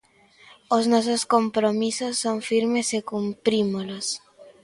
Os nosos compromisos son firmes e cumprímolos.